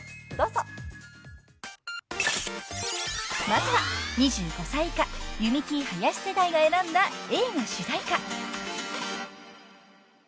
［まずは２５歳以下弓木林世代が選んだ映画主題歌］